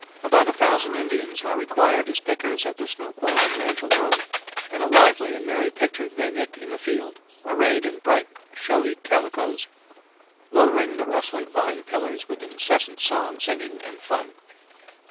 About a thousand Indians are required as pickers at the Snoqualmie ranch alone, and a lively and merry picture they make in the field, arrayed in bright, showy calicoes, lowering the rustling vine pillars with incessant song singing and fun.